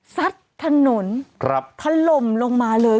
ซัดถนนทะลมลงมาเลย